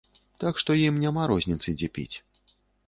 Так што ім няма розніцы, дзе піць.